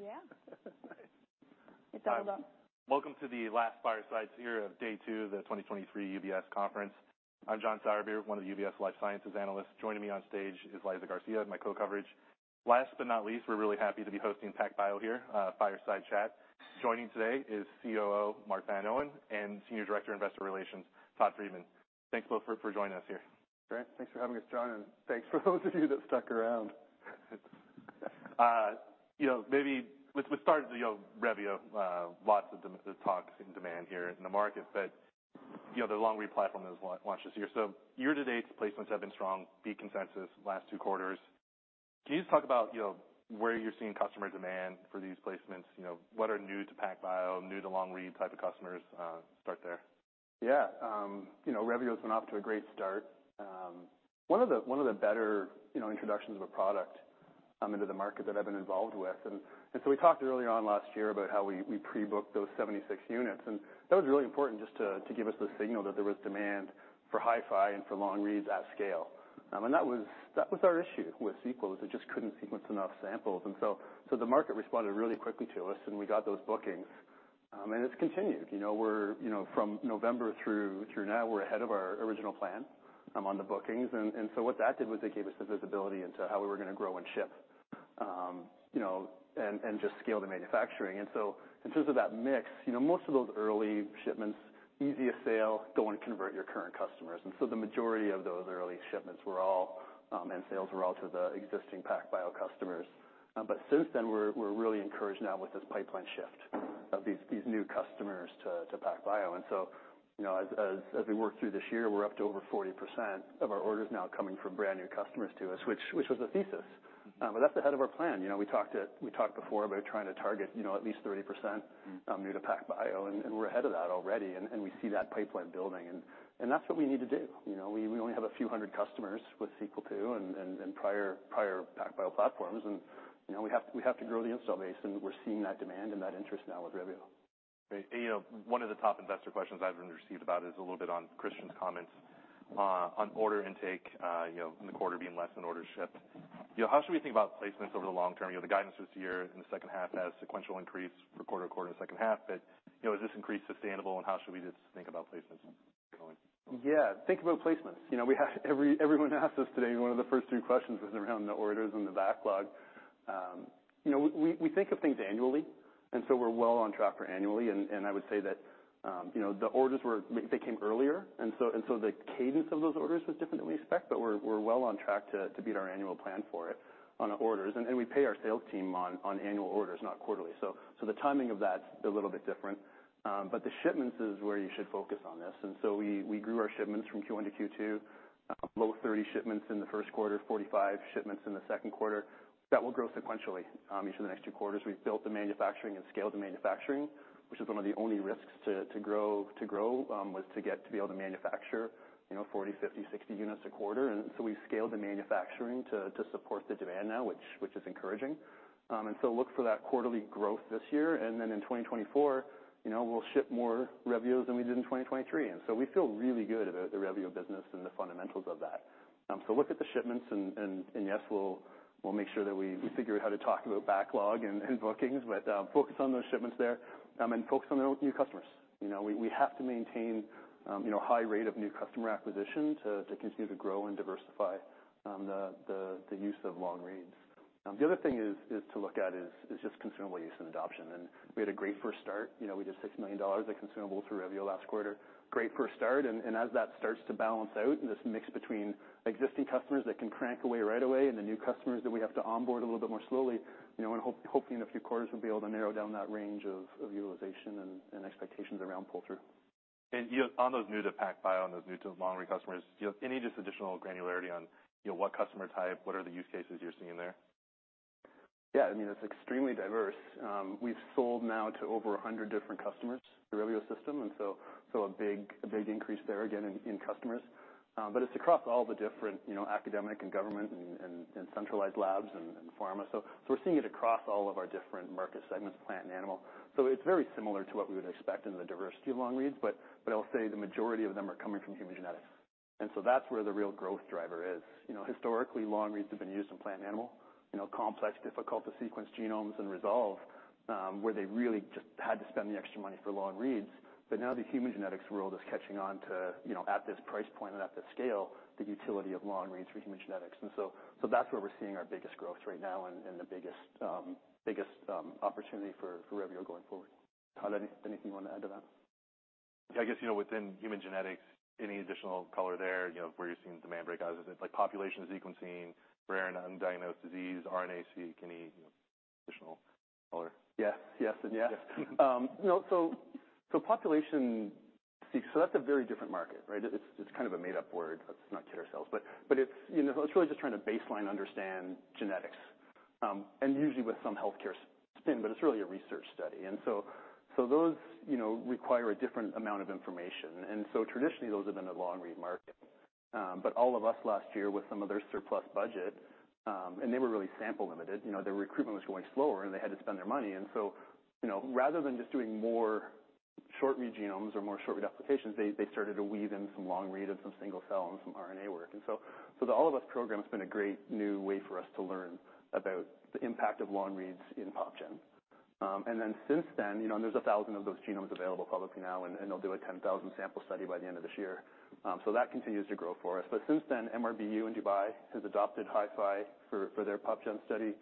Oh, yeah? It's all done. Welcome to the last Fireside Series of day 2 of the 2023 UBS conference. I'm John Sourbeer, one of the UBS life sciences analysts. Joining me on stage is Elizabeth Garcia, my co-coverage. Last but not least, we're really happy to be hosting PacBio here, Fireside Chat. Joining today is COO, Mark Van Oene, and Senior Director of Investor Relations, Todd Friedman.Thanks both for, for joining us here. Great. Thanks for having us, John, and thanks for those of you that stuck around. You know, maybe let's, let's start with, you know, Revio. Lots of there's talks in demand here in the market, you know, the long-read platform has launched this year. Year-to-date, placements have been strong, beat consensus last 2 quarters. Can you just talk about, you know, where you're seeing customer demand for these placements? You know, what are new to PacBio, new to long-read type of customers, start there. Yeah. You know, Revio's been off to a great start. One of the, one of the better, you know, introductions of a product into the market that I've been involved with. We talked earlier on last year about how we, we pre-booked those 76 units, and that was really important just to, to give us the signal that there was demand for HiFi and for long reads at scale. That was, that was our issue with Sequel. It just couldn't sequence enough samples. The market responded really quickly to us, and we got those bookings, and it's continued. You know, we're, you know, from November through, through now, we're ahead of our original plan on the bookings. What that did was it gave us the visibility into how we were going to grow and ship, you know, and, and just scale the manufacturing. In terms of that mix, you know, most of those early shipments, easiest sale, go and convert your current customers. The majority of those early shipments were all, and sales were all to the existing PacBio customers. Since then, we're really encouraged now with this pipeline shift of these, these new customers to PacBio. You know, as we work through this year, we're up to over 40% of our orders now coming from brand new customers to us, which, which was a thesis. That's ahead of our plan. You know, we talked before about trying to target, you know, at least 30% new to PacBio, and, and we're ahead of that already, and, and we see that pipeline building, and, and that's what we need to do. You know, we, we only have a few hundred customers with Sequel II and, and, and prior, prior PacBio platforms, and, you know, we have to, we have to grow the install base, and we're seeing that demand and that interest now with Revio. Great. You know, one of the top investor questions I've received about is a little bit on Christian's comments, on order intake, you know, and the quarter being less than orders shipped. You know, how should we think about placements over the long term? You know, the guidance was year in the second half as sequential increase for quarter-to-quarter in the second half, but, you know, is this increase sustainable, and how should we just think about placements going? Yeah, think about placements. You know, we have-- every, everyone asks us today, one of the first two questions is around the orders and the backlog. You know, we, we, we think of things annually, and so we're well on track for annually. I would say that, you know, the orders were, they came earlier, and so the cadence of those orders was different than we expect, but we're, we're well on track to, to beat our annual plan for it on orders. We pay our sales team on, on annual orders, not quarterly. The timing of that is a little bit different. The shipments is where you should focus on this. We, we grew our shipments from Q1 to Q2, below 30 shipments in the first quarter, 45 shipments in the second quarter. That will grow sequentially, each of the next two quarters. We've built the manufacturing and scaled the manufacturing, which is one of the only risks to, to grow, to grow, was to get to be able to manufacture, you know, 40, 50, 60 units a quarter. We've scaled the manufacturing to, to support the demand now, which, which is encouraging. Look for that quarterly growth this year, then in 2024, you know, we'll ship more Revios than we did in 2023. We feel really good about the Revio business and the fundamentals of that. Look at the shipments, and, and, and yes, we'll, we'll make sure that we, we figure out how to talk about backlog and, and bookings, but, focus on those shipments there, and focus on the new customers. You know, we, we have to maintain, you know, a high rate of new customer acquisition to continue to grow and diversify the use of long reads. The other thing is to look at is just consumable use and adoption, and we had a great first start. You know, we did $6 million in consumables through Revio last quarter. Great first start, and as that starts to balance out, and this mix between existing customers that can crank away right away and the new customers that we have to onboard a little bit more slowly, you know, hoping in a few quarters, we'll be able to narrow down that range of utilization and expectations around pull-through. You know, on those new to PacBio, on those new to long-read customers, do you have any just additional granularity on, you know, what customer type, what are the use cases you're seeing there? Yeah, I mean, it's extremely diverse. We've sold now to over 100 different customers, the Revio system, and a big, a big increase there, again, in, in customers. It's across all the different, you know, academic and government and, and, and centralized labs and, and pharma. We're seeing it across all of our different market segments, plant and animal. It's very similar to what we would expect in the diversity of long reads, but I'll say the majority of them are coming from human genetics. That's where the real growth driver is. You know, historically, long reads have been used in plant and animal, you know, complex, difficult to sequence genomes and resolve, where they really just had to spend the extra money for long reads. Now the human genetics world is catching on to, you know, at this price point and at this scale, the utility of long reads for human genetics. So that's where we're seeing our biggest growth right now and, and the biggest, biggest opportunity for, for Revio going forward. Todd, any, anything you want to add to that? I guess, you know, within human genetics, any additional color there, you know, where you're seeing demand break out? Is it like population sequencing, rare and undiagnosed disease, RNA-Seq, any, you know, additional color? Yes, yes, and yes. You know, population so that's a very different market, right? It's, it's kind of a made-up word. Let's not kid ourselves, but it's, you know, it's really just trying to baseline understand genetics, and usually with some healthcare spin, but it's really a research study. Those, you know, require a different amount of information. Traditionally, those have been a long-read market. All of Us last year, with some of their surplus budget, they were really sample limited. You know, their recruitment was going slower, they had to spend their money. You know, rather than just doing short-read genomes or more short-read applications, they started to weave in some long-read and some single-cell and some RNA work. So, so the All of Us program has been a great new way for us to learn about the impact of long reads in PopGen. Then since then, you know, and there's 1,000 of those genomes available publicly now, and, and they'll do a 10,000 sample study by the end of this year. That continues to grow for us. Since then, MBRU in Dubai has adopted HiFi for, for their PopGen study,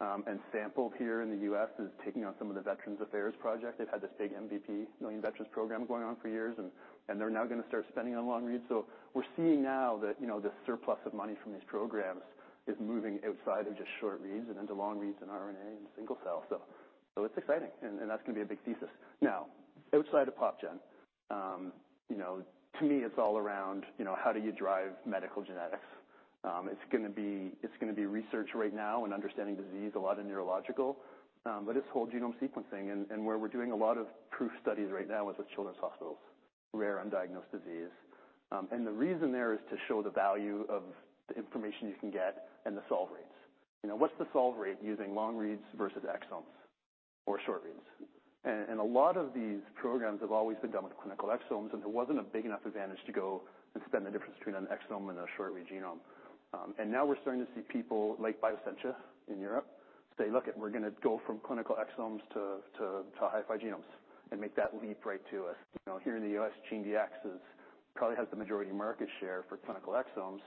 and Sampled here in the U.S., is taking on some of the Veterans Affairs project. They've had this big MVP, Million Veteran Program, going on for years, and, and they're now going to start spending on long reads. We're seeing now that, you know, the surplus of money from these programs is moving outside of just short reads and into long reads, and RNA, and single-cell. It's exciting, and that's going to be a big thesis. Outside of PopGen, you know, to me, it's all around, you know, how do you drive medical genetics? It's going to be, it's going to be research right now and understanding disease, a lot of neurological, but it's whole genome sequencing. Where we're doing a lot of proof studies right now is with children's hospitals, rare undiagnosed disease. The reason there is to show the value of the information you can get and the solve rates. You know, what's the solve rate using long reads versus exomes or short reads? A lot of these programs have always been done with clinical exomes, and there wasn't a big enough advantage to go and spend the difference between an exome and a short-read genome. Now we're starting to see people like Bioscientia in Europe, say, "Look, we're going to go from clinical exomes to, to, to HiFi genomes," and make that leap right to us. You know, here in the US, GeneDx probably has the majority of market share for clinical exomes.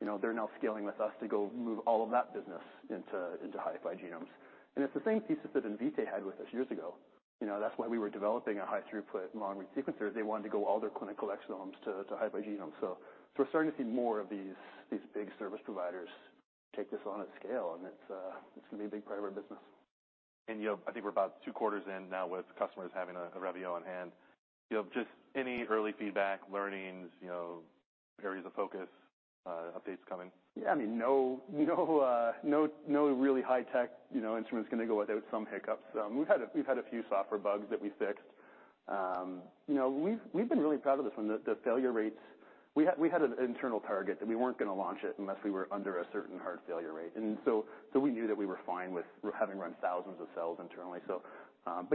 You know, they're now scaling with us to go move all of that business into, into HiFi genomes. It's the same thesis that Invitae had with us years ago. You know, that's why we were developing a high throughput long-read sequencer. They wanted to go all their clinical exomes to, to HiFi genomes. so we're starting to see more of these, these big service providers take this on at scale, and it's, it's going to be a big part of our business. You know, I think we're about 2 quarters in now with customers having a, a Revio on hand. You know, just any early feedback, learnings, you know, areas of focus, updates coming? Yeah, I mean, no, no, no, no really high tech, you know, instrument's going to go without some hiccups. We've had a, we've had a few software bugs that we fixed. You know, we've, we've been really proud of this one. The, the failure rates, we had, we had an internal target, that we weren't going to launch it unless we were under a certain hard failure rate. So, so we knew that we were fine with having run thousands of cells internally.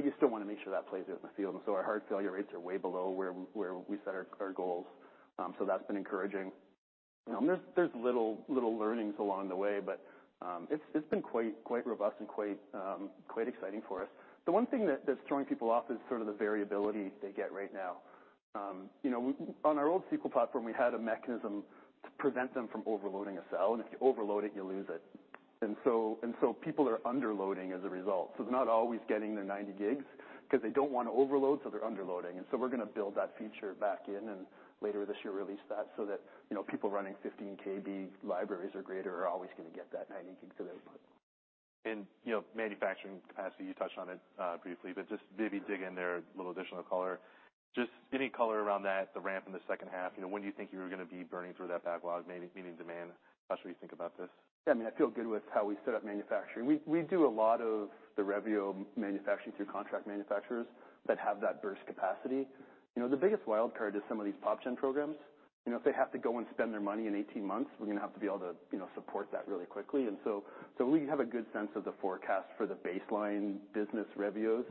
You still want to make sure that plays out in the field. Our hard failure rates are way below where, where we set our, our goals. That's been encouraging. There's, there's little, little learnings along the way, it's, it's been quite, quite robust and quite, quite exciting for us. The one thing that, that's throwing people off is sort of the variability they get right now. you know, on our old Sequel platform, we had a mechanism to prevent them from overloading a cell, and if you overload it, you lose it. People are underloading as a result. They're not always getting their 90 gigs, 'cause they don't want to overload, so they're underloading. We're going to build that feature back in and later this year, release that so that, you know, people running 15 KB libraries or greater are always going to get that 90 gig to their input. You know, manufacturing capacity, you touched on it, briefly, but just maybe dig in there, a little additional color. Just any color around that, the ramp in the second half, you know, when do you think you were going to be burning through that backlog, meeting, meeting demand? How should we think about this? Yeah, I mean, I feel good with how we set up manufacturing. We, we do a lot of the Revio manufacturing through contract manufacturers that have that burst capacity. You know, the biggest wild card is some of these PopGen programs. You know, if they have to go and spend their money in 18 months, we're going to have to be able to, you know, support that really quickly. So, we have a good sense of the forecast for the baseline business Revios,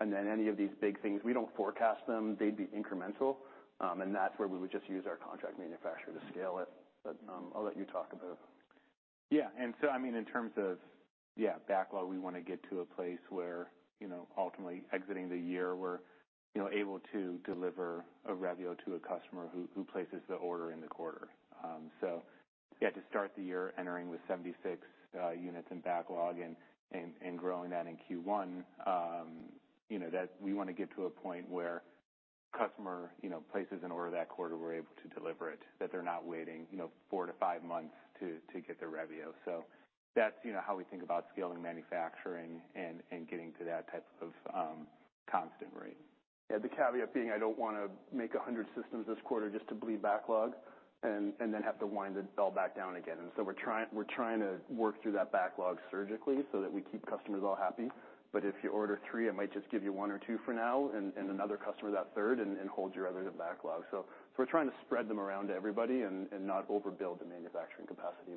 and then any of these big things, we don't forecast them. They'd be incremental, and that's where we would just use our contract manufacturer to scale it. I'll let you talk about it. Yeah, I mean, in terms of, yeah, backlog, we want to get to a place where, you know, ultimately exiting the year, we're, you know, able to deliver a Revio to a customer who, who places the order in the quarter. Yeah, to start the year entering with 76 units in backlog and, and, and growing that in Q1, you know, we want to get to a point where customer, you know, places an order that quarter, we're able to deliver it, that they're not waiting, you know, 4-5 months to, to get their Revio. That's, you know, how we think about scaling manufacturing and, and getting to that type of constant rate. Yeah, the caveat being, I don't want to make 100 systems this quarter just to bleed backlog and, and then have to wind it all back down again. So we're trying, we're trying to work through that backlog surgically so that we keep customers all happy. If you order three, I might just give you one or two for now and, and another customer that third and, and hold your other in backlog. So we're trying to spread them around to everybody and, and not overbuild the manufacturing capacity.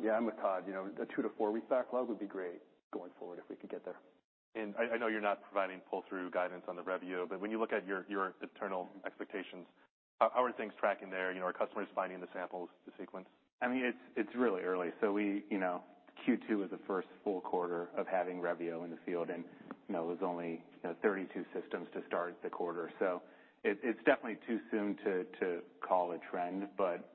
Yeah, I'm with Todd. You know, a two to four-week backlog would be great going forward, if we could get there. I, I know you're not providing pull-through guidance on the Revio, but when you look at your, your internal expectations, how, how are things tracking there? You know, are customers finding the samples to sequence? I mean, it's, it's really early. We, you know, Q2 is the first full quarter of having Revio in the field, and, you know, it was only, you know, 32 systems to start the quarter. It, it's definitely too soon to, to call a trend, but,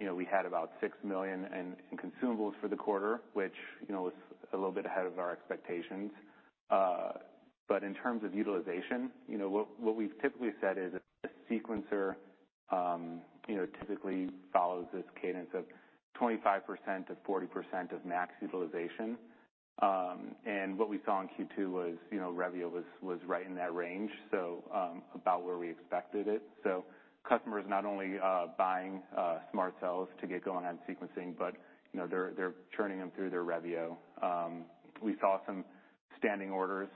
you know, we had about $6 million in, in consumables for the quarter, which, you know, was a little bit ahead of our expectations. But in terms of utilization, you know, what, what we've typically said is, a sequencer, you know, typically follows this cadence of 25%-40% of max utilization. And what we saw in Q2 was, you know, Revio was, was right in that range, so, about where we expected it. Customers not only buying SMRT Cells to get going on sequencing, but you know, they're churning them through their Revio. We saw some standing orders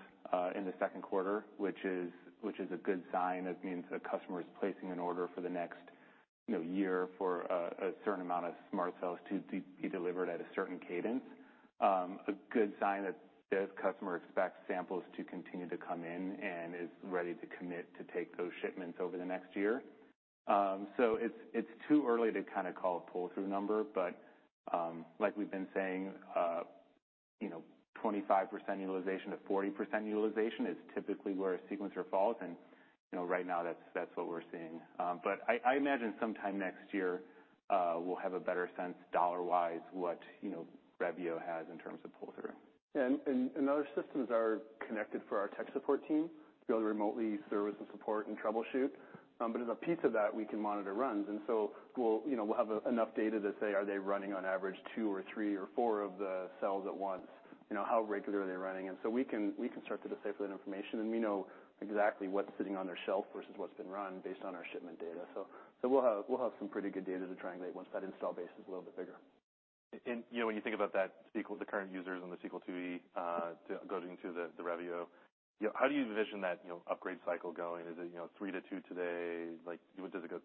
in the second quarter, which is, which is a good sign. That means a customer is placing an order for the next year for a certain amount of SMRT Cells to be delivered at a certain cadence. A good sign that this customer expects samples to continue to come in, and is ready to commit to take those shipments over the next year. It's, it's too early to kind of call a pull-through number, but like we've been saying, you know, 25% utilization to 40% utilization is typically where a sequencer falls. You know, right now, that's, that's what we're seeing. I, I imagine sometime next year, we'll have a better sense dollar-wise, what, you know, Revio has in terms of pull-through. Our systems are connected for our tech support team to be able to remotely service and support and troubleshoot. As a piece of that, we can monitor runs, we'll, you know, we'll have enough data to say, are they running on average 2 or 3 or 4 of the cells at once? You know, how regular are they running? We can, we can start to decipher that information, and we know exactly what's sitting on their shelf versus what's been run based on our shipment data. We'll have, we'll have some pretty good data to triangulate once that install base is a little bit bigger. You know, when you think about that Sequel, the current users on the Sequel IIe, going to the, the Revio, you know, how do you envision that, you know, upgrade cycle going? Is it, you know, 3 to 2 today? Like, would it just go,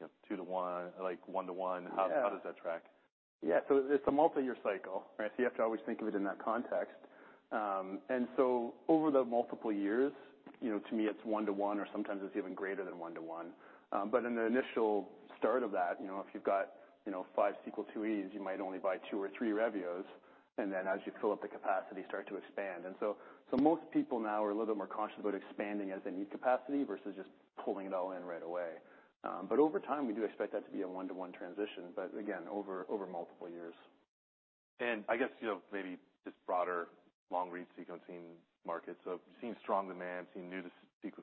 you know, 2 to 1, like 1 to 1? Yeah. How, how does that track? Yeah, so it's a multi-year cycle, right? You have to always think of it in that context. Over the multiple years, you know, to me, it's one to one, or sometimes it's even greater than one to one. In the initial start of that, you know, if you've got, you know, five Sequel IIes, you might only buy two or three Revios, and then as you fill up the capacity, start to expand. Most people now are a little bit more cautious about expanding as they need capacity, versus just pulling it all in right away. Over time, we do expect that to be a one-to-one transition, but again, over, over multiple years. I guess, you know, maybe just broader long-read sequencing market. Seeing strong demand, seeing new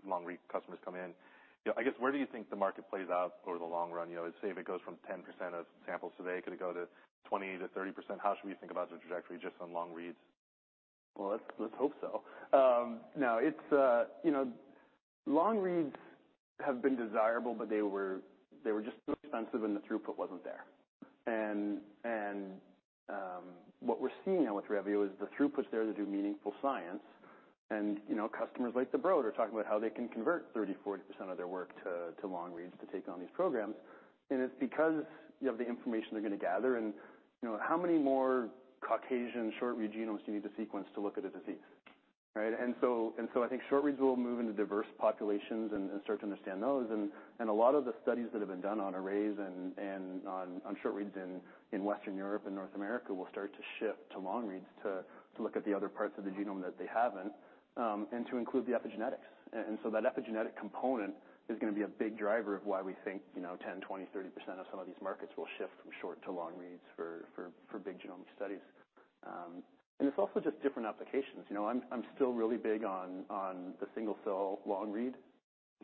long-read customers come in, you know, I guess, where do you think the market plays out over the long run? You know, say, if it goes from 10% of samples today, could it go to 20%-30%? How should we think about the trajectory just on long reads? Well, let's, let's hope so. No, it's, you know, long reads have been desirable, but they were, they were just too expensive, and the throughput wasn't there. What we're seeing now with Revio is the throughput's there to do meaningful science. You know, customers like the Broad are talking about how they can convert 30%, 40% of their work to long reads to take on these programs. It's because you have the information they're going to gather and, you know, how many more Caucasian short-read genomes do you need to sequence to look at a disease, right? I think short reads will move into diverse populations and start to understand those. A lot of the studies that have been done on arrays and, and on, on short reads in, in Western Europe and North America will start to shift to long reads, to, to look at the other parts of the genome that they haven't, and to include the epigenetics. So that epigenetic component is going to be a big driver of why we think, you know, 10%, 20%, 30% of some of these markets will shift from short to long reads for, for, for big genomic studies. It's also just different applications. You know, I'm, I'm still really big on, on the single-cell long-read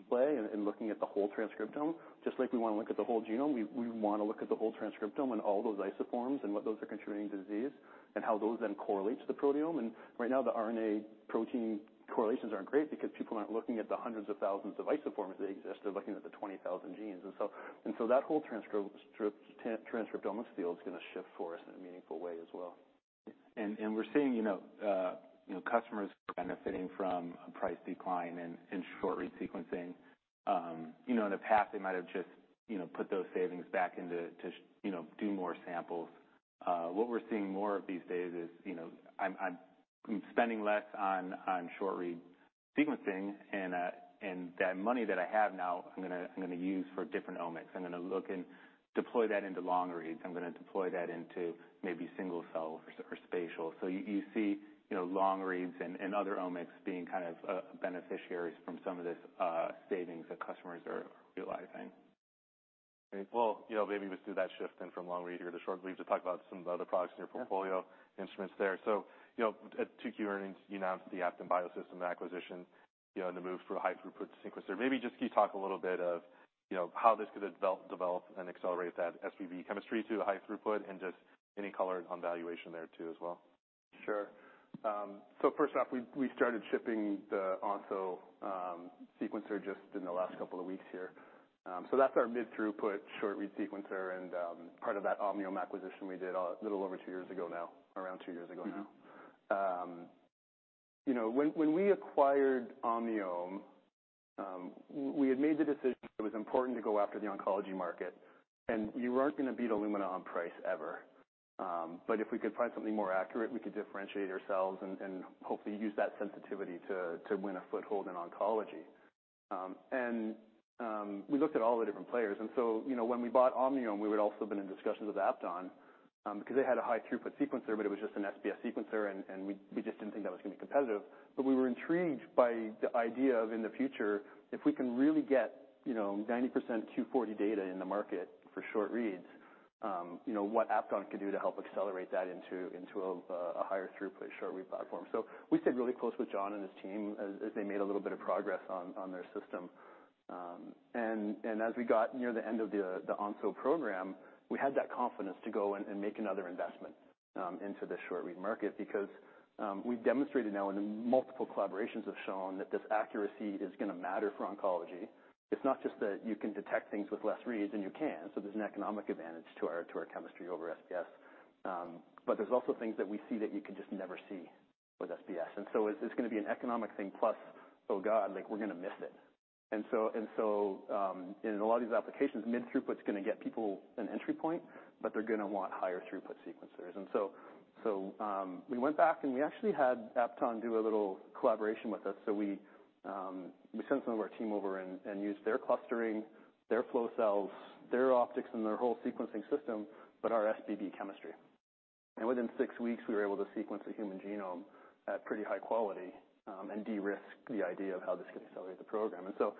play and, and looking at the whole transcriptome. Just like we want to look at the whole genome, we, we want to look at the whole transcriptome and all those isoforms and what those are contributing to disease, and how those then correlate to the proteome. Right now, the RNA protein correlations aren't great because people aren't looking at the hundreds of thousands of isoforms that exist. They're looking at the 20,000 genes. And so that whole transcriptomics field is going to shift for us in a meaningful way as well. We're seeing, you know, you know, customers benefiting from a price decline in, in short-read sequencing. You know, in the past, they might have just, you know, put those savings back into to, you know, do more samples. What we're seeing more of these days is, you know, I'm, I'm, I'm spending less on, on short-read sequencing, and, and that money that I have now, I'm going to, I'm going to use for different omics. I'm going to look and deploy that into long reads. I'm going to deploy that into maybe single-cell or, or spatial. You, you see, you know, long reads and, and other omics being kind of, beneficiaries from some of this, savings that customers are realizing. Well, you know, maybe let's do that shift then from long read here to short read, to talk about some of the other products in your portfolio. Yeah. instruments there. You know, at 2Q earnings, you announced the Apton Biosystems acquisition, you know, and the move to a high-throughput sequencer. Maybe just can you talk a little of, you know, how this could develop, develop and accelerate that SBB chemistry to a high-throughput, and just any color on valuation there, too, as well? Sure. First off, we, we started shipping the Onso sequencer just in the last couple of weeks here. That's our mid-throughput, short-read sequencer, and part of that Omniome acquisition we did a little over 2 years ago now, around 2 years ago now. Mm-hmm. You know, when, when we acquired Omniome, we had made the decision it was important to go after the oncology market, and you aren't going to beat Illumina on price ever. If we could find something more accurate, we could differentiate ourselves and, and hopefully use that sensitivity to, to win a foothold in oncology. We looked at all the different players, you know, when we bought Omniome, we had also been in discussions with Apton, because they had a high-throughput sequencer, but it was just an SBS sequencer, and, and we, we just didn't think that was going to be competitive. We were intrigued by the idea of, in the future, if we can really get, you know, 90% Q40 data in the market for short reads, you know, what Apton could do to help accelerate that into, into a higher throughput, short-read platform. We stayed really close with John and his team as, as they made a little bit of progress on, on their system. As we got near the end of the Onso program, we had that confidence to go and, and make another investment into the short-read market, because we've demonstrated now, and multiple collaborations have shown that this accuracy is going to matter for oncology. It's not just that you can detect things with less reads, and you can, so there's an economic advantage to our, to our chemistry over SBS. There's also things that we see that you could just never see with SBS. It's gonna be an economic thing, plus, oh God, like, we're gonna miss it. In a lot of these applications, mid-throughput's gonna get people an entry point, but they're gonna want higher throughput sequencers. We went back, and we actually had Apton do a little collaboration with us. We sent some of our team over and used their clustering, their flow cells, their optics, and their whole sequencing system, but our SBB chemistry. Within six weeks, we were able to sequence a human genome at pretty high quality and de-risk the idea of how this can accelerate the program. So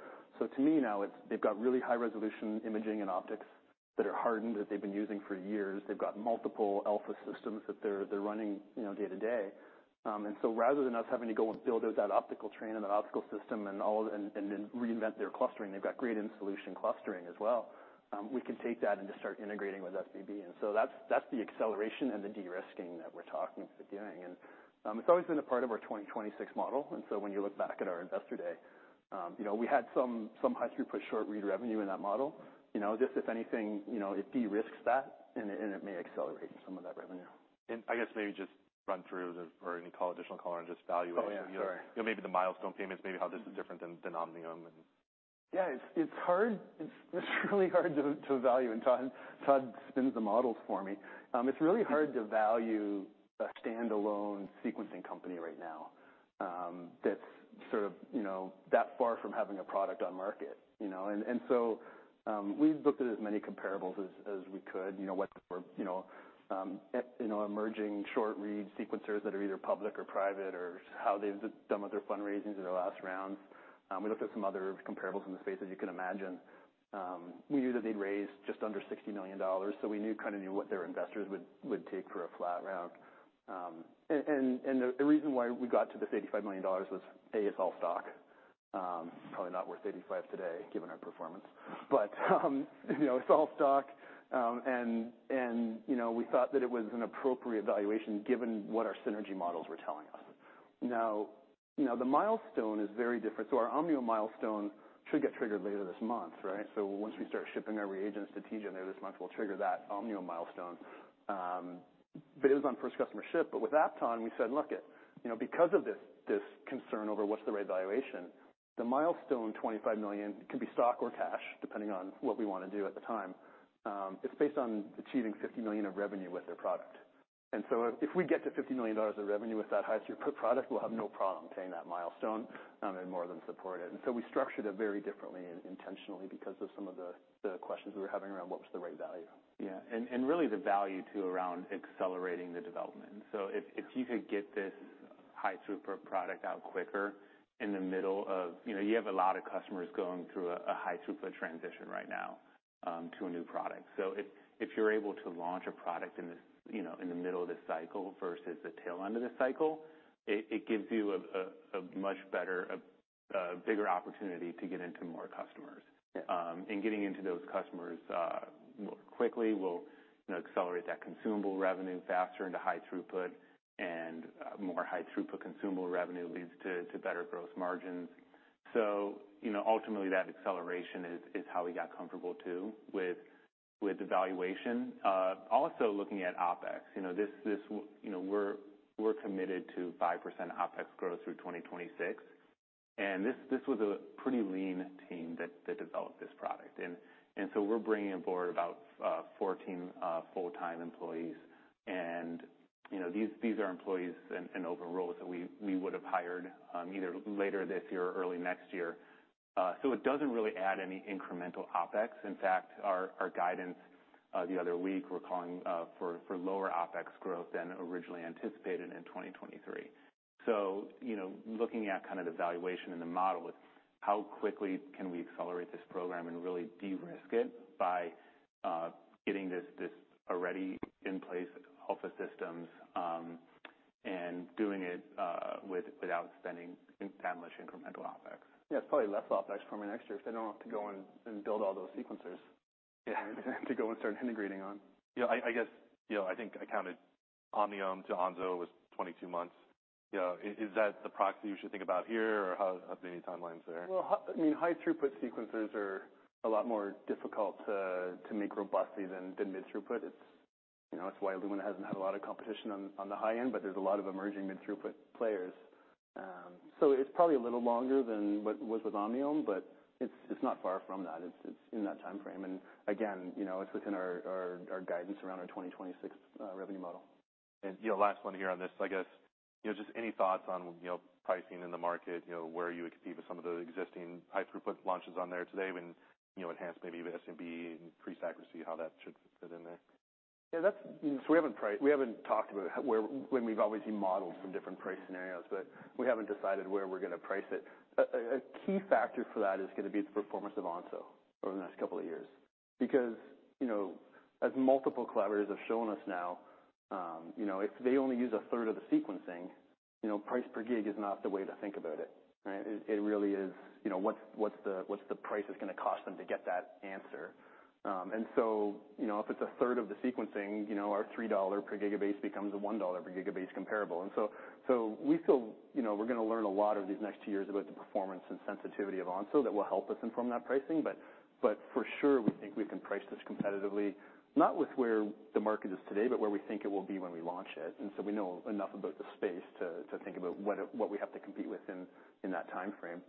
to me, now, it's, they've got really high-resolution imaging and optics that are hardened, that they've been using for years. They've got multiple Alpha systems that they're, they're running, you know, day-to-day. So rather than us having to go and build out that optical train and the optical system and all of, and then reinvent their clustering, they've got great end solution clustering as well. We can take that and just start integrating with SBB. That's, that's the acceleration and the de-risking that we're talking to doing. It's always been a part of our 2026 model, when you look back at our investor day, you know, we had some, some high-throughput, short-read revenue in that model. You know, just if anything, you know, it de-risks that, and it, and it may accelerate some of that revenue. I guess maybe just run through the, or any additional color on just valuation? Oh, yeah. Sure. You know, maybe the milestone payments, maybe how this is different than, than Omniome and- Yeah, it's, it's hard... It's really hard to, to value. Todd, Todd spins the models for me. It's really hard to value a standalone sequencing company right now, that's sort of, you know, that far from having a product on market, you know? We've looked at as many comparables as, as we could, you know, you know, emerging short-read sequencers that are either public or private, or how they've done with their fundraisings in their last rounds. We looked at some other comparables in the space, as you can imagine. We knew that they'd raised just under $60 million, so we knew, kind of knew, what their investors would, would take for a flat round. The reason why we got to this $85 million was, A, it's all stock. Probably not worth 85 today, given our performance. You know, it's all stock. You know, we thought that it was an appropriate valuation, given what our synergy models were telling us. Now, you know, the milestone is very different. Our Omniome milestone should get triggered later this month, right? Once we start shipping our reagents to TGen there this month, we'll trigger that Omniome milestone. It was on first customer ship, but with Apton, we said, "Look it, you know, because of this, this concern over what's the right valuation, the milestone, $25 million, can be stock or cash, depending on what we want to do at the time, it's based on achieving $50 million of revenue with their product." If, if we get to $50 million of revenue with that high-throughput product, we'll have no problem paying that milestone, and more than support it. We structured it very differently and intentionally because of some of the, the questions we were having around what was the right value. Yeah, and, and really the value, too, around accelerating the development. If, if you could get this high-throughput product out quicker in the middle of... You know, you have a lot of customers going through a high-throughput transition right now to a new product. If, if you're able to launch a product in this, you know, in the middle of this cycle versus the tail end of this cycle, it, it gives you a much better, a bigger opportunity to get into more customers. Yeah. Getting into those customers, more quickly will, you know, accelerate that consumable revenue faster into high throughput, and more high-throughput consumable revenue leads to better gross margins. Ultimately, that acceleration is how we got comfortable, too, with the valuation. Also looking at OpEx, you know, this, this, you know, we're committed to 5% OpEx growth through 2026, and this was a pretty lean team that developed this product. So we're bringing aboard about 14 full-time employees, and, you know, these are employees in overall that we would have hired either later this year or early next year. So it doesn't really add any incremental OpEx. In fact, our, our guidance, the other week, we're calling for, for lower OpEx growth than originally anticipated in 2023. You know, looking at kind of the valuation and the model, it's how quickly can we accelerate this program and really de-risk it by getting this, this already in place Alpha systems, and doing it without spending establishing incremental OpEx. Yeah, it's probably less OpEx for an extra, if they don't have to go and build all those sequencers... Yeah. to go and start integrating on. Yeah, I, I guess, you know, I think I counted Omniome to Onso was 22 months. You know, is, is that the proxy you should think about here, or how, how many timelines there? Well, high, I mean, high-throughput sequences are a lot more difficult to, to make robustly than, than mid-throughput. It's, you know, it's why Illumina hasn't had a lot of competition on, on the high end, but there's a lot of emerging mid-throughput players. It's probably a little longer than what was with Omniome, but it's, it's not far from that. It's, it's in that timeframe. Again, you know, it's within our, our, our guidance around our 2026 revenue model. You know, last one here on this, I guess, you know, just any thoughts on, you know, pricing in the market, you know, where you would compete with some of the existing high-throughput launches on there today when, you know, enhanced maybe with SBB and increased accuracy, how that should fit in there? Yeah, we haven't talked about when we've obviously modeled some different price scenarios, but we haven't decided where we're gonna price it. A key factor for that is gonna be the performance of Onso over the next couple of years. You know, as multiple collaborators have shown us now, you know, if they only use a third of the sequencing, you know, price per gig is not the way to think about it, right? It really is, you know, what's, what's the, what's the price it's gonna cost them to get that answer? You know, if it's a third of the sequencing, you know, our $3 per gigabase becomes a $1 per gigabase comparable. We feel. you know, we're going to learn a lot over these next 2 years about the performance and sensitivity of Onso that will help us inform that pricing. But for sure, we think we can price this competitively, not with where the market is today, but where we think it will be when we launch it. So we know enough about the space to, to think about what, what we have to compete with in, in that time frame.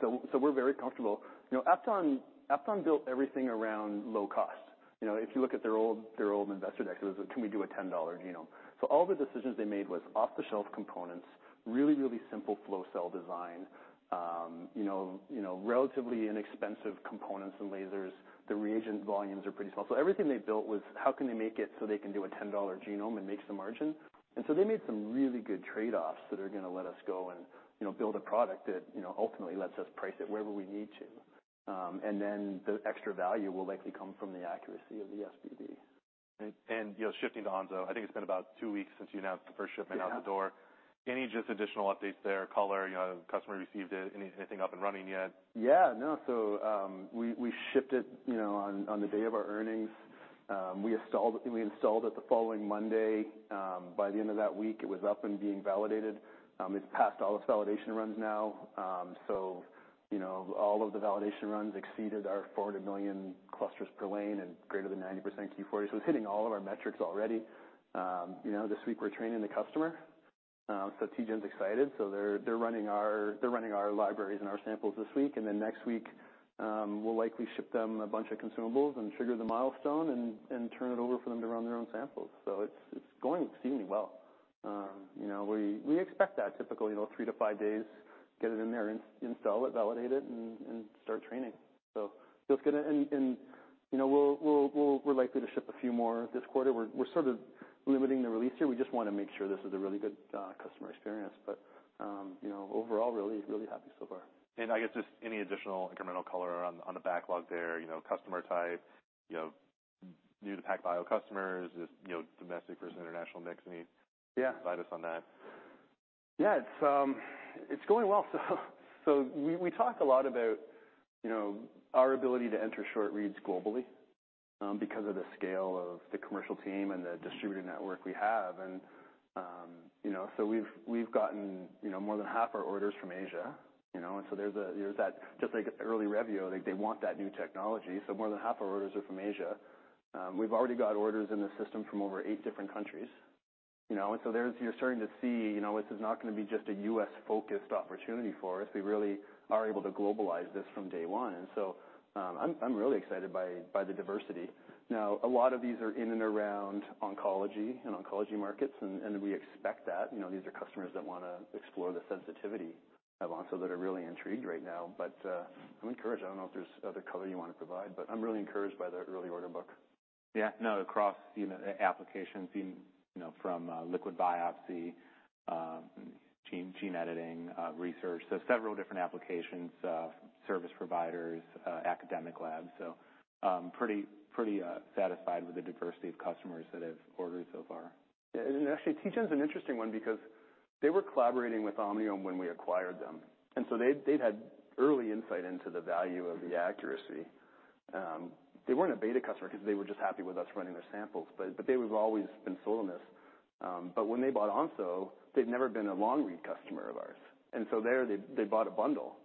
So, so we're very comfortable. You know, Apton, Apton built everything around low cost. You know, if you look at their old, their old investor deck, it was, "Can we do a $10 genome?" So all the decisions they made was off-the-shelf components, really, really simple flow cell design, you know, you know, relatively inexpensive components and lasers. The reagent volumes are pretty small. Everything they built was, how can they make it so they can do a $10 genome and make some margin? So they made some really good trade-offs that are going to let us go and, you know, build a product that, you know, ultimately lets us price it wherever we need to. Then the extra value will likely come from the accuracy of the SBB. You know, shifting to Onso, I think it's been about 2 weeks since you announced the first shipment out the door. Yeah. Any just additional updates there, color, you know, customer received it, anything up and running yet? Yeah, no. We, we shipped it, you know, on, on the day of our earnings. We installed, we installed it the following Monday. By the end of that week, it was up and being validated. It's passed all its validation runs now. You know, all of the validation runs exceeded our 400 million clusters per lane and greater than 90% Q40. It's hitting all of our metrics already. You know, this week we're training the customer. TGen's excited, so they're, they're running our, they're running our libraries and our samples this week, next week, we'll likely ship them a bunch of consumables and trigger the milestone and, and turn it over for them to run their own samples. It's, it's going exceedingly well. you know, we, we expect that, typically, you know, 3 to 5 days, get it in there, install it, validate it, and, and start training. you know, we're likely to ship a few more this quarter. We're, we're sort of limiting the release here. We just want to make sure this is a really good customer experience, you know, overall, really, really happy so far. I guess just any additional incremental color on, on the backlog there, you know, customer type, you know, new to PacBio customers, just, you know, domestic versus international mix, any... Yeah. Advise us on that. Yeah, it's, it's going well. We, we talk a lot about, you know, our ability to enter short reads globally, because of the scale of the commercial team and the distributor network we have. You know, so we've, we've gotten, you know, more than half our orders from Asia, you know? There's that, just like early Revio, they, they want that new technology. More than half our orders are from Asia. We've already got orders in the system from over eight different countries, you know? You're starting to see, you know, this is not going to be just a U.S.-focused opportunity for us. We really are able to globalize this from day one. I'm, I'm really excited by, by the diversity. Now, a lot of these are in and around oncology and oncology markets, and, and we expect that. You know, these are customers that want to explore the sensitivity of Onso, that are really intrigued right now. I'm encouraged. I don't know if there's other color you want to provide, but I'm really encouraged by the early order book. Yeah, no, across, you know, applications, you know, from, liquid biopsy, gene, gene editing, research, several different applications, service providers, academic labs. Pretty, pretty, satisfied with the diversity of customers that have ordered so far. Actually, TGen's an interesting one because they were collaborating with Omniome when we acquired them, so they'd had early insight into the value of the accuracy. They weren't a beta customer because they were just happy with us running their samples, but they have always been sold on this. When they bought Onso, they'd never been a long-read customer of ours, so there, they bought a bundle.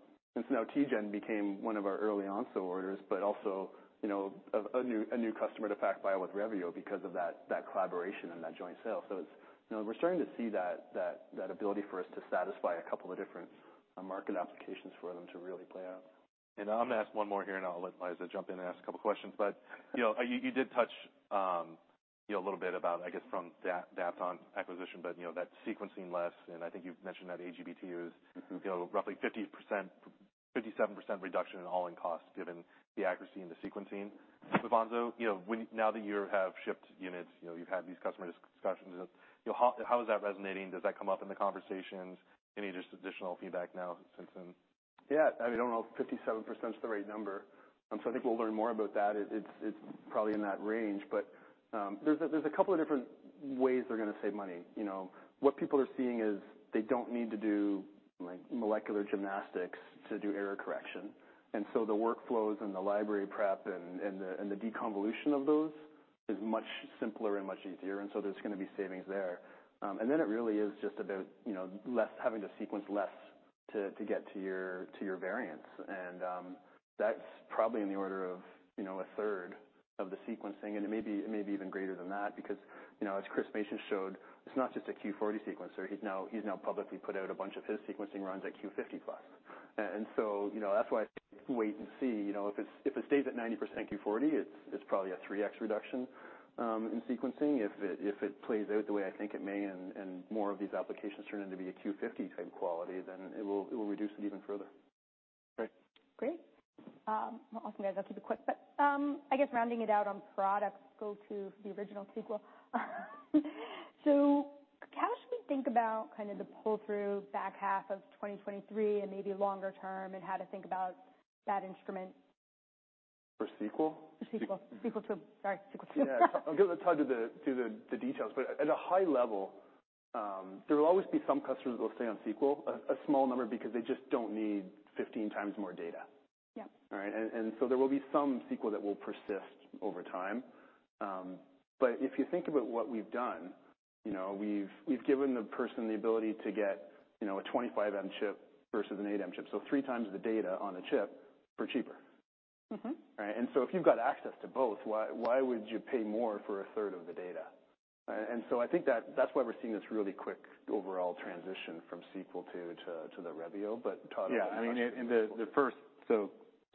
Now TGen became one of our early Onso orders, but also, you know, a new customer to PacBio with Revio because of that, that collaboration and that joint sale. It's, you know, we're starting to see that ability for us to satisfy a couple of different market applications for them to really play out. I'm going to ask one more here, and I'll let Liza jump in and ask a couple questions. You know, you, you did touch, you know, a little bit about, I guess, from the Apton acquisition, but, you know, that sequencing less, and I think you've mentioned that AGBT use- Mm-hmm. you know, roughly 50%, 57% reduction in all-in costs, given the accuracy and the sequencing of Onso. You know, now that you have shipped units, you know, you've had these customer discussions, you know, how, how is that resonating? Does that come up in the conversations? Any just additional feedback now since then? Yeah, I don't know if 57% is the right number. I think we'll learn more about that. It's, it's probably in that range, but, there's a, there's a couple of different ways they're going to save money. You know, what people are seeing is they don't need to do, like, molecular gymnastics to do error correction. The workflows and the library prep and, and the, and the deconvolution of those is much simpler and much easier, so there's going to be savings there. Then it really is just about, you know, having to sequence less to, to get to your, to your variants. That's probably in the order of, you know, a third of the sequencing, and it may be, it may be even greater than that because, you know, as Christopher Mason showed, it's not just a Q40 sequencer. He's now, he's now publicly put out a bunch of his sequencing runs at Q50 plus. You know, that's why I wait and see. You know, if it stays at 90% Q40, it's, it's probably a 3x reduction in sequencing. If it, if it plays out the way I think it may and, and more of these applications turn in to be a Q50 type quality, then it will, it will reduce it even further. Great. Great. Awesome, guys. I'll keep it quick, but, I guess rounding it out on products, go to the original Sequel. How should we think about kind of the pull-through back half of 2023 and maybe longer term, and how to think about that instrument? For Sequel? For Sequel. Sequel II. Sorry, Sequel II. Yeah. I'll tie to the, to the, the details, but at a high level, there will always be some customers that will stay on Sequel, a, a small number, because they just don't need 15 times more data. Yeah. All right, and so there will be some Sequel that will persist over time. If you think about what we've done, you know, we've, we've given the person the ability to get, you know, a 25M SMRT Cell versus an 8M SMRT Cell, so three times the data on a chip for cheaper. Mm-hmm. Right? If you've got access to both, why, why would you pay more for a third of the data? I think that's why we're seeing this really quick overall transition from Sequel II to the Revio. Todd. Yeah, I mean, in the, the first...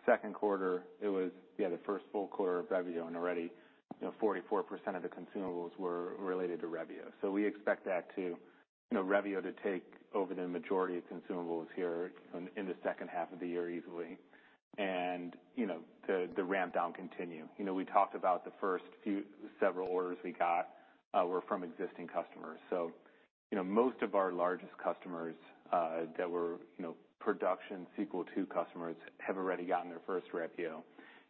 second quarter, it was, yeah, the first full quarter of Revio, and already, you know, 44% of the consumables were related to Revio. We expect that to, you know, Revio to take over the majority of consumables here in, in the second half of the year easily, and, you know, the, the ramp-down continue. You know, we talked about the first few, several orders we got, were from existing customers. You know, most of our largest customers, that were, you know, production Sequel II customers, have already gotten their first Revio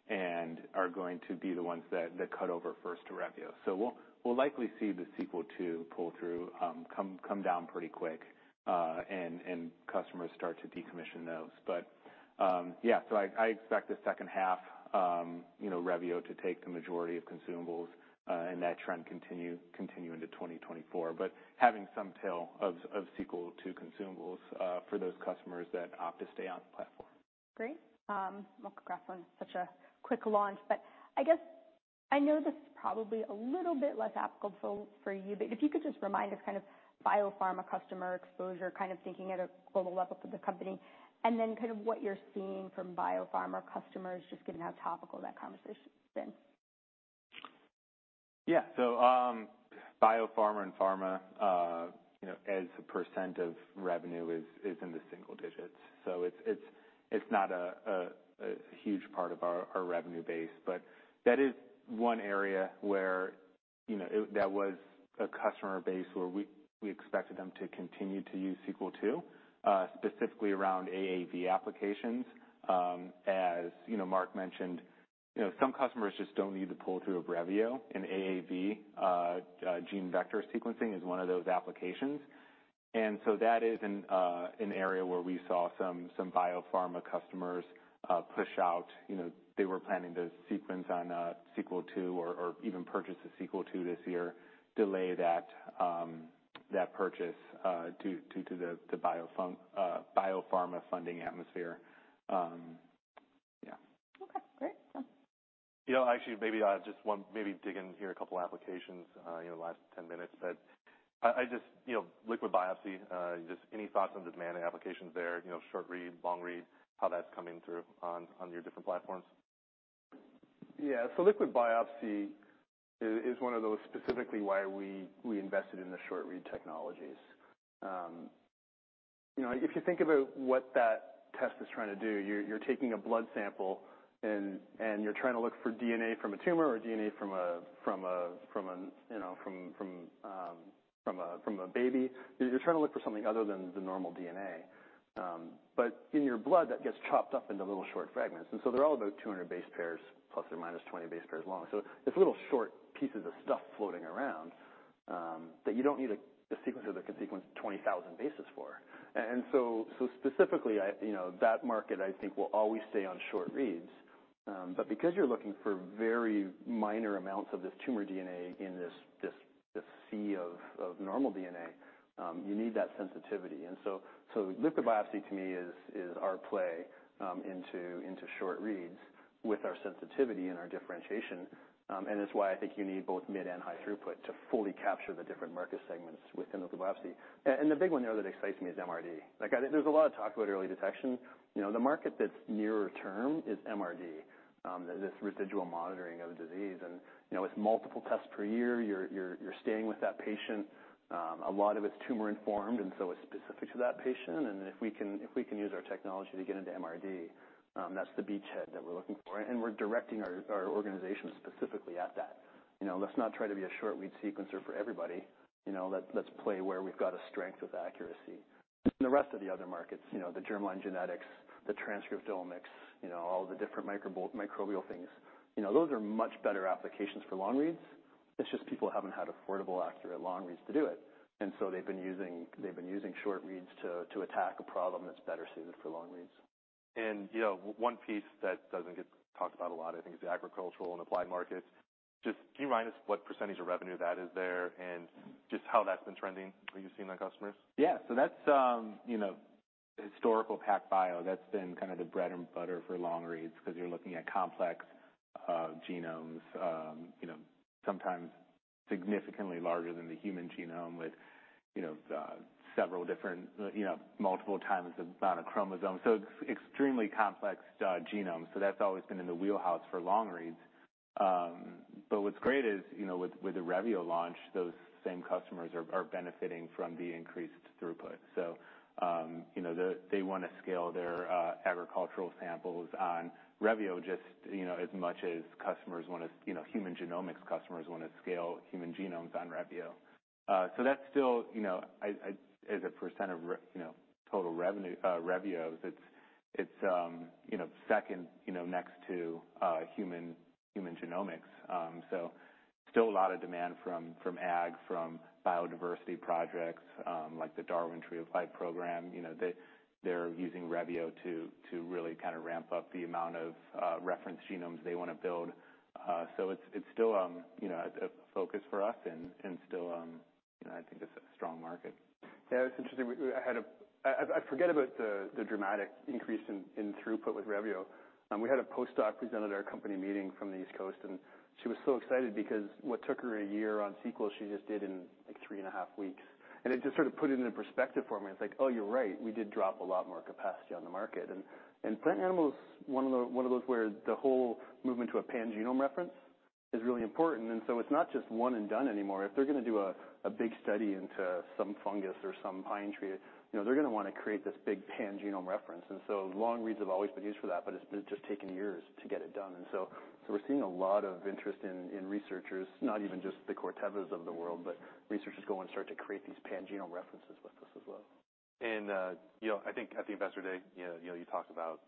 and are going to be the ones that, that cut over first to Revio. We'll, we'll likely see the Sequel II pull-through, come, come down pretty quick, and, and customers start to decommission those. Yeah, so I, I expect the second half, you know, Revio to take the majority of consumables, and that trend continue, continue into 2024. Having some tail of Sequel II consumables, for those customers that opt to stay on the platform. Great. Well, congrats on such a quick launch, I guess I know this is probably a little bit less applicable for, for you, but if you could just remind us kind of biopharma customer exposure, kind of thinking at a global level for the company, and then kind of what you're seeing from biopharma customers, just given how topical that conversation's been. Yeah. biopharma and pharma, you know, as a % of revenue is, is in the single digits. It's, it's, it's not a, a, a huge part of our, our revenue base. That is one area where, you know, that was a customer base where we, we expected them to continue to use Sequel II, specifically around AAV applications. You know, Mark mentioned, you know, some customers just don't need the pull-through of Revio, and AAV, gene vector sequencing is one of those applications. That is an area where we saw some, some biopharma customers, push out. You know, they were planning to sequence on, Sequel II or, or even purchase a Sequel II this year, delay that, that purchase, due to, to the, the biopharma funding atmosphere. Yeah. Okay, great. Yeah. You know, actually, maybe I just want maybe dig in here a couple applications, in the last 10 minutes. I, I just, you know, liquid biopsy, just any thoughts on demand and applications there, you know, short read, long read, how that's coming through on, on your different platforms? Yeah. Liquid biopsy is, is one of those specifically why we, we invested in the short-read technologies. You know, if you think about what that test is trying to do, you're, you're taking a blood sample, and, and you're trying to look for DNA from a tumor or DNA from a, from a, from a, you know, from, from, from a, from a baby. You're trying to look for something other than the normal DNA. In your blood, that gets chopped up into little short fragments, and so they're all about 200 base pairs plus or minus 20 base pairs long. So it's little short pieces of stuff floating around, that you don't need a, a sequencer that can sequence 20,000 bases for. Specifically, You know, that market I think will always stay on short reads. Because you're looking for very minor amounts of this tumor DNA in this, this, this sea of, of normal DNA, you need that sensitivity. So, so liquid biopsy, to me, is, is our play, into, into short reads with our sensitivity and our differentiation. It's why I think you need both mid and high throughput to fully capture the different market segments within liquid biopsy. The big one there that excites me is MRD. Like, there's a lot of talk about early detection. You know, the market that's nearer term is MRD, this residual monitoring of a disease. You know, with multiple tests per year, you're, you're, you're staying with that patient. A lot of it's tumor-informed, and so it's specific to that patient. If we can, if we can use our technology to get into MRD, that's the beachhead that we're looking for, and we're directing our organization specifically at that. You know, let's not try to be a short-read sequencer for everybody. You know, let's, let's play where we've got a strength with accuracy. The rest of the other markets, you know, the germline genetics, the transcriptomics, you know, all the different microbo- microbial things, you know, those are much better applications for long reads. It's just people haven't had affordable, accurate long reads to do it, and so they've been using, they've been using short reads to, to attack a problem that's better suited for long reads. You know, one piece that doesn't get talked about a lot, I think, is the agricultural and applied markets. Just can you remind us what % of revenue that is there and just how that's been trending for you seeing that customers? Yeah. That's, you know, historical PacBio, that's been kind of the bread and butter for long reads because you're looking at complex genomes, you know, sometimes significantly larger than the human genome with, you know, several different, you know, multiple times the amount of chromosomes, so extremely complex genomes. That's always been in the wheelhouse for long reads. What's great is, you know, with, with the Revio launch, those same customers are, are benefiting from the increased throughput. They want to scale their agricultural samples on Revio, just, you know, as much as customers want to, you know, human genomics customers want to scale human genomes on Revio. That's still, you know, I, I... As a % of you know, total revenue, Revio, it's, it's, you know, second, you know, next to, human, human genomics. ...Still a lot of demand from, from ag, from biodiversity projects, like the Darwin Tree of Life program. You know, they, they're using Revio to, to really kind of ramp up the amount of reference genomes they want to build. It's, it's still, you know, a focus for us and, and still, you know, I think it's a strong market. Yeah, it's interesting. I forget about the, the dramatic increase in, in throughput with Revio. We had a postdoc presented at our company meeting from the East Coast, and she was so excited because what took her a year on Sequel, she just did in, like, 3.5 weeks. It just sort of put it into perspective for me. It's like, Oh, you're right, we did drop a lot more capacity on the market. Plant and animals, one of those where the whole movement to a pangenome reference is really important. It's not just one and done anymore. If they're going to do a, a big study into some fungus or some pine tree, you know, they're going to want to create this big pangenome reference. Long reads have always been used for that, but it's been just taken years to get it done. We're seeing a lot of interest in researchers, not even just the Cortevas of the world, but researchers go and start to create these pangenome references with us as well. You know, I think at the investor day, you know, you know, you talked about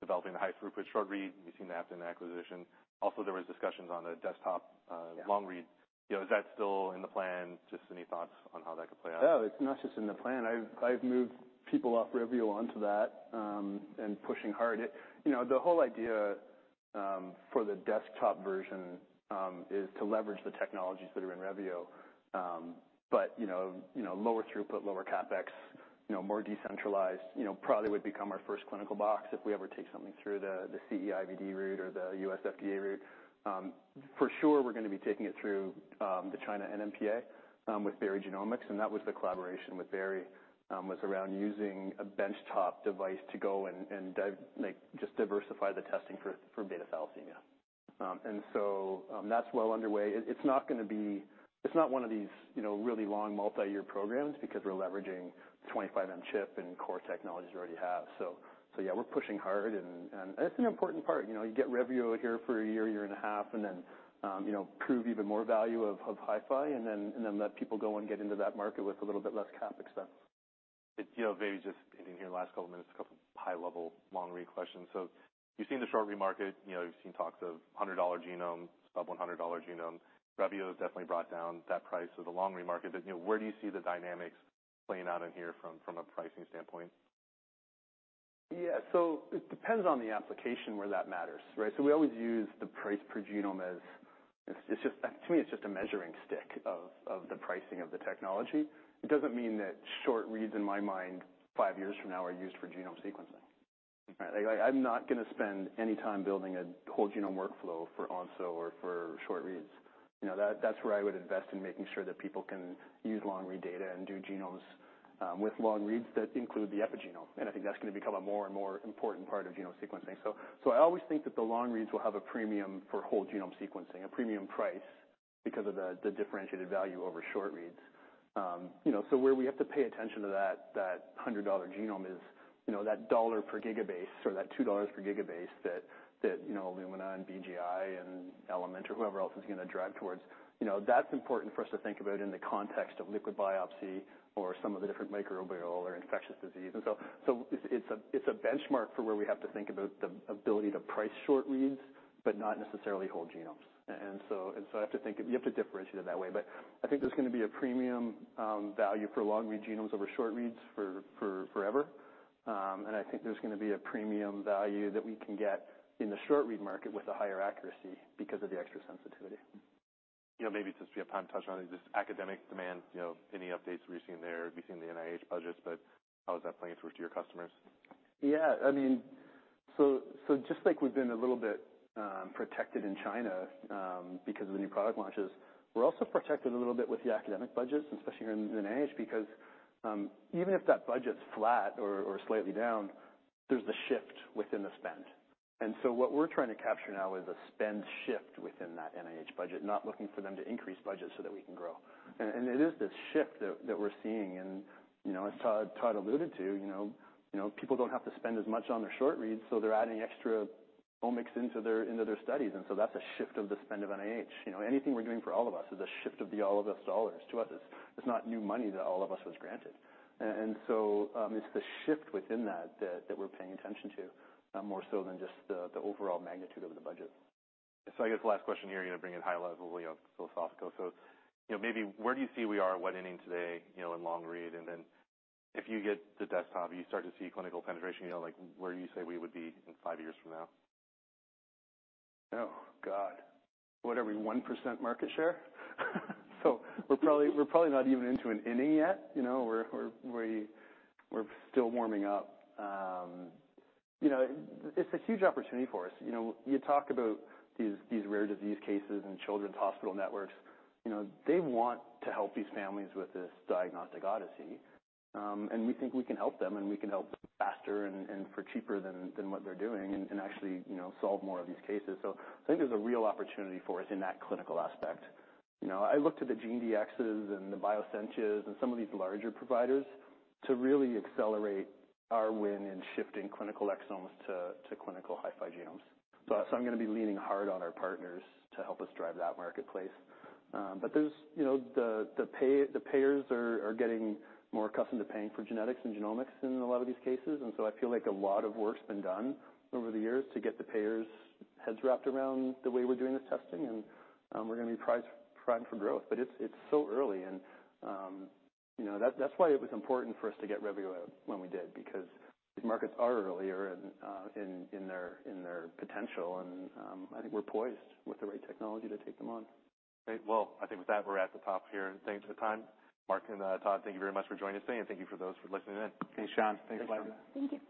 developing the high throughput short-read, we've seen that in the acquisition. Also, there was discussions on the desktop. Yeah. long read. You know, is that still in the plan? Just any thoughts on how that could play out? Oh, it's not just in the plan. I've, I've moved people off Revio onto that, and pushing hard. It. You know, the whole idea, for the desktop version, is to leverage the technologies that are in Revio, but, you know, you know, lower throughput, lower CapEx, you know, more decentralized, you know, probably would become our first clinical box if we ever take something through the, the CE-IVD route or the U.S. FDA route. For sure, we're going to be taking it through, the China NMPA, with Berry Genomics, and that was the collaboration with Berry. Was around using a benchtop device to go and, like, just diversify the testing for, for beta thalassemia. So, that's well underway. It's not going to be. It's not one of these, you know, really long, multi-year programs because we're leveraging 25M SMRT Cell and core technologies we already have. Yeah, we're pushing hard, and it's an important part. You know, you get Revio here for a year, year and a half, and then, you know, prove even more value of HiFi, and then, and then let people go and get into that market with a little bit less CapEx spend. It, you know, maybe just in here in the last couple of minutes, a couple high-level, long-read questions. You've seen the short-read market, you know, you've seen talks of $100 genome, sub-$100 genome. Revio has definitely brought down that price of the long-read market, you know, where do you see the dynamics playing out in here from, from a pricing standpoint? Yeah. It depends on the application where that matters, right? We always use the price per genome as... It's, it's just, to me, it's just a measuring stick of, of the pricing of the technology. It doesn't mean that short reads, in my mind, 5 years from now, are used for genome sequencing. Right? Like, I'm not going to spend any time building a whole genome workflow for Onso or for short reads. You know, that, that's where I would invest in making sure that people can use long read data and do genomes with long reads that include the epigenome. I think that's going to become a more and more important part of genome sequencing. So I always think that the long reads will have a premium for whole genome sequencing, a premium price, because of the, the differentiated value over short reads. You know, so where we have to pay attention to that, that $100 genome is, you know, that $1 per gigabase or that $2 per gigabase that, that, you know, Illumina and BGI and Element or whoever else is going to drive towards. You know, that's important for us to think about in the context of liquid biopsy or some of the different microbial or infectious disease. So, so it's, it's a, it's a benchmark for where we have to think about the ability to price short reads, but not necessarily whole genomes. So, and so I have to think, you have to differentiate it that way. I think there's going to be a premium, value for long read genomes over short reads for, for forever. I think there's going to be a premium value that we can get in the short-read market with a higher accuracy because of the extra sensitivity. You know, maybe just, yeah, touch on just academic demand, you know, any updates we've seen there? We've seen the NIH budgets. How is that playing through to your customers? Yeah, I mean. So just like we've been a little bit protected in China, because of the new product launches, we're also protected a little bit with the academic budgets, especially here in NIH, because even if that budget's flat or slightly down, there's the shift within the spend. What we're trying to capture now is a spend shift within that NIH budget, not looking for them to increase budget so that we can grow. It is this shift that we're seeing, and as Todd, Todd alluded to, people don't have to spend as much on their short reads, so they're adding extra omics into their, into their studies, and so that's a shift of the spend of NIH. You know, anything we're doing for All of Us is a shift of the All of Us dollars. To us, it's, it's not new money that All of Us was granted. It's the shift within that, that, that we're paying attention to, more so than just the, the overall magnitude of the budget. I guess last question here, you know, bring it high level, you know, philosophical. Maybe where do you see we are, what inning today, you know, in long read? Then if you get the desktop, you start to see clinical penetration, you know, like, where do you say we would be in five years from now? Oh, God, what are we, 1% market share? We're probably, we're probably not even into an inning yet. You know, we're, we're, we, we're still warming up. You know, it's a huge opportunity for us. You know, you talk about these, these rare disease cases and children's hospital networks, you know, they want to help these families with this diagnostic odyssey. And we think we can help them, and we can help faster and, and for cheaper than, than what they're doing and, and actually, you know, solve more of these cases. I think there's a real opportunity for us in that clinical aspect. You know, I looked at the GeneDx's and the Bioscientia and some of these larger providers to really accelerate our win in shifting clinical exomes to, to clinical HiFi genomes. I, so I'm going to be leaning hard on our partners to help us drive that marketplace. There's, you know, the, the pay, the payers are, are getting more accustomed to paying for genetics and genomics in a lot of these cases. I feel like a lot of work's been done over the years to get the payers' heads wrapped around the way we're doing this testing, and, we're going to be prize, primed for growth. It's, it's so early and, you know, that, that's why it was important for us to get Revio out when we did, because these markets are earlier in, in, in their, in their potential, and, I think we're poised with the right technology to take them on. Great. Well, I think with that, we're at the top here, and thanks for the time. Mark and Todd, thank you very much for joining us today, and thank you for those for listening in. Thanks, Sean. Thanks, Linda. Thank you.